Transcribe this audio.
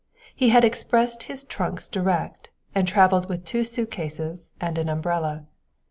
He had expressed his trunks direct, and traveled with two suitcases and an umbrella.